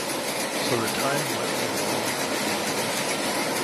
So the time went along happily enough.